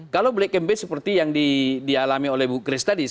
kalau black campaign seperti yang dialami oleh bu chris tadi